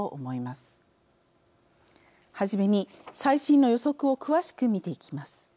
はじめに最新の予測を詳しく見ていきます。